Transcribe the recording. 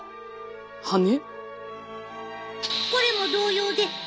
羽根？